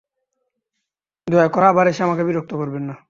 দয়া করে আবার এসে আমাকে বিরক্ত করবেন না।